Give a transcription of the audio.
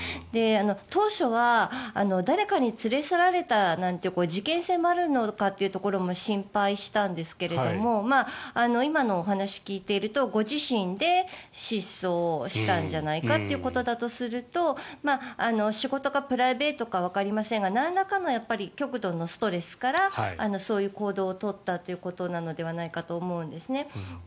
当初は誰かに連れ去られたなんていう事件性もあるのかというところも心配したんですけれども今のお話を聞いているとご自身で失踪したんじゃないかということだとすると仕事かプライベートかわかりませんがなんらかの極度のストレスからそういう行動を取ったということなのではないかと思うんですね。